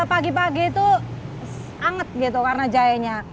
pagi pagi itu anget gitu karena jahenya